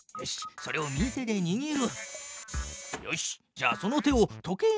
それを右手でにぎる。